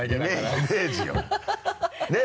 イメージよねぇ？